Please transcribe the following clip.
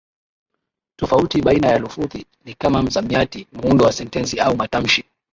Tofauti baina ya lufudhi ni kama msamiati, muundo wa sentensi au matamshi.